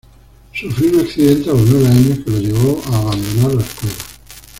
Sufrió un accidente a los nueve años que lo llevó a abandonar la escuela.